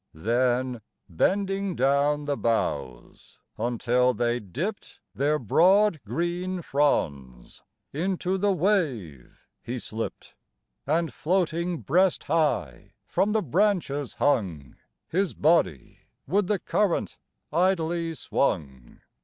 Then, bending down the boughs, until they dipped Their broad green fronds, into the wave he slipped, And, floating breast high, from the branches hung, His body with the current idly swung.